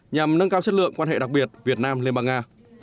nhằm nâng cao chất lượng quan hệ đặc biệt việt nam liên bang nga